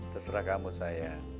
terserah kamu sayang